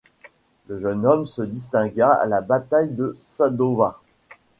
Le jeune homme se distingua à la Bataille de Sadowa.